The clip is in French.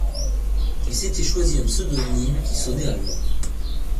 Il s’était choisi un pseudonyme qui sonnait allemand.